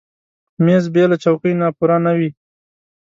مېز بېله چوکۍ نه پوره نه وي.